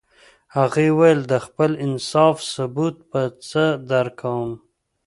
هغې ویل د خپل انصاف ثبوت به څه درکوم